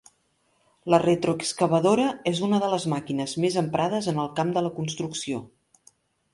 La retroexcavadora és una de les màquines més emprades en el camp de la construcció.